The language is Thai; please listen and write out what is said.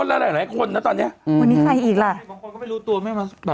แล้วหลายหลายคนนะตอนเนี้ยอืมวันนี้ใครอีกล่ะบางคนก็ไม่รู้ตัวแม่มาแบบ